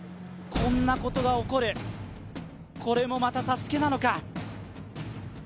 こんなことが起こる、これもまたＳＡＳＵＫＥなのか。